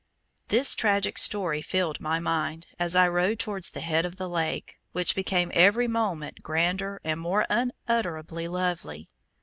This tragic story filled my mind as I rode towards the head of the lake, which became every moment grander and more unutterably lovely.